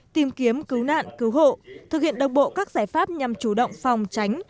tìm kiếm cứu nạn cứu hộ thực hiện đồng bộ các giải pháp nhằm chủ động phòng tránh